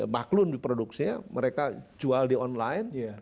maklun di produksinya mereka jual di online